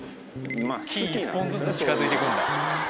木１本ずつ近づいて行くんだ。